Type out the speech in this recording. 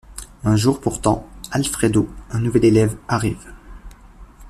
Un jour pourtant, Alfredo, un nouvel élève, arrive.